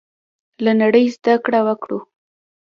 له نړۍ زده کړه وکړو.